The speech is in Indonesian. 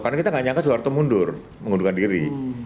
karena kita gak nyangka soeharto mundur mengundurkan diri